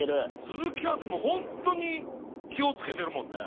鈴木はでも本当に気を付けてるもんね。